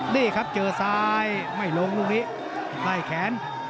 นี่ครับเจอซ้ายไม่ลงลูกนี้ไล่แขน